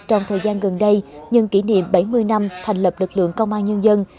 trong thời gian gần đây nhân kỷ niệm bảy mươi năm thành lập lực lượng công an nhân dân